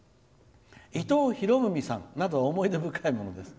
伊藤博文さんなど思い出深いものです。